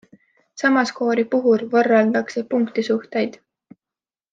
Sama skoori puhul võrreldakse punktisuhteid.